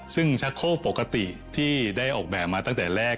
ซึ่งชักโคกปกติที่ได้ออกแบบมาตั้งแต่แรก